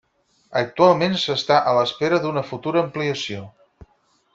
Actualment s'està a l'espera d'una futura ampliació.